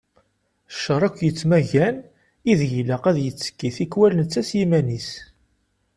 Cceṛ akk yettmaggan ideg ilaq ad yettekki tikwal netta s yiman-is.